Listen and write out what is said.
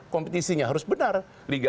kompetisinya harus benar liga